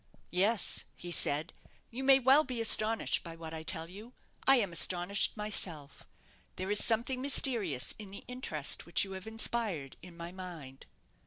"Yes," he said, "you may well be astonished by what I tell you. I am astonished myself. There is something mysterious in the interest which you have inspired in my mind."